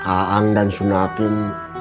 aang dan sunatin